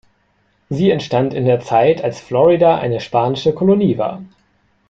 Sie entstand in der Zeit, als Florida eine spanische Kolonie war.